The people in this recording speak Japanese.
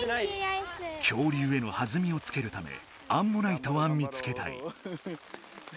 恐竜へのはずみをつけるためアンモナイトは見つけたい。